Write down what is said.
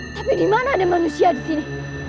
tapi di mana ada manusia di sini